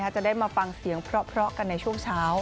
จะได้มาฟังเสียงเพราะกันในช่วงเช้า